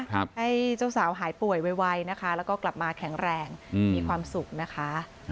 ให้เจ้าสาวหายป่วยไวนะคะแล้วก็กลับมาแข็งแรงอืมมีความสุขนะคะ